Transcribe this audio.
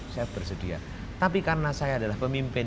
saya bersedia tapi karena saya adalah pemimpin